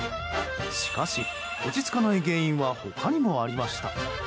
しかし落ち着かない原因は他にもありました。